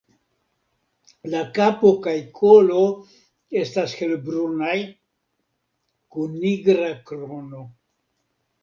La kapo kaj kolo estas helbrunaj, kun nigra krono.